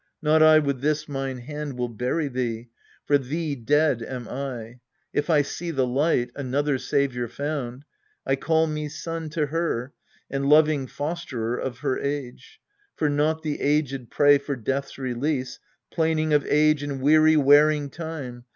Not I with this mine hand will bury thee. For thee dead am I. If I see the light Another saviour found I call me son To her, and loving fosterer of her age. For naught the aged pray for death's release, Plaining of age and weary wearing time.